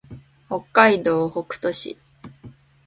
北海道北斗市